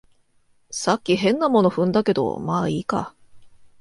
さっき変なもの踏んだけど、まあいいか